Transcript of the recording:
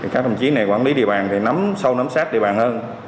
các đồng chí này quản lý địa bàn thì nắm sâu nắm sát địa bàn hơn